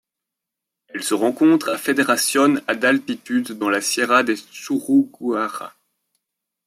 Elle se rencontre à Federación à d'altitude dans la Sierra de Churuguara.